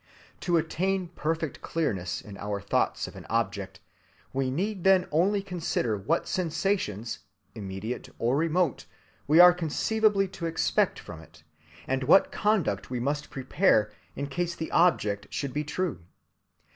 To attain perfect clearness in our thoughts of an object, we need then only consider what sensations, immediate or remote, we are conceivably to expect from it, and what conduct we must prepare in case the object should be true.